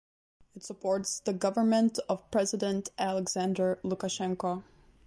It supports the government of president Alexander Lukashenko.